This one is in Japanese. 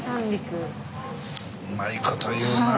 うまいこと言うなあ。